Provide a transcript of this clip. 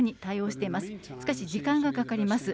しかし時間がかかります。